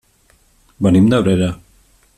Venim d'Abrera.